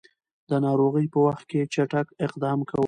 د ناروغۍ په وخت کې چټک اقدام کوي.